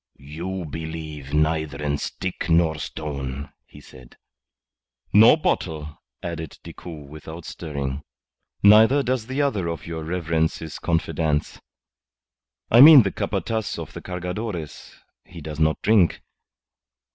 "You believe neither in stick nor stone," he said. "Nor bottle," added Decoud without stirring. "Neither does the other of your reverence's confidants. I mean the Capataz of the Cargadores. He does not drink.